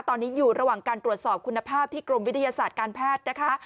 ตอนนี้อยู่ระหว่างการตรวจสอบคุณภาพที่กรมวิทยาศาสตร์การแพทย์นะคะ